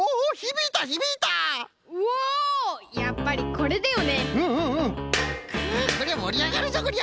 こりゃもりあがるぞこりゃ。